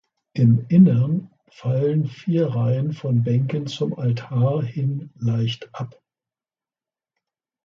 Im Innern fallen vier Reihen von Bänken zum Altar hin leicht ab.